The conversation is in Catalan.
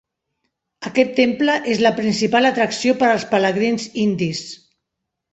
Aquest temple és la principal atracció per als pelegrins indis.